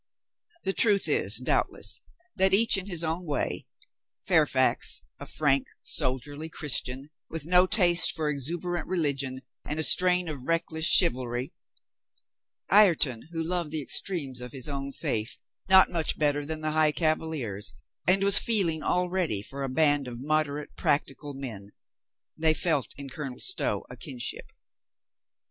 The truth is, doubtless, that each in his. own way — Fairfax a frank, soldierly Christian with no taste for exuberant religion and a strain of reckless chiv alry; Ireton who loved the extremes of his own faith not much better than the high Cavaliers and COLONEL STOW KNOWS HIMSELF 455 was feeling already for a band of moderate, prac tical men — they felt in Colonel Stow a kinship.